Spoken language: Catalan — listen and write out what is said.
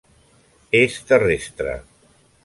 És terrestre.